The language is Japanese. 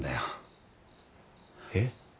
えっ？